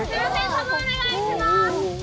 タモお願いします。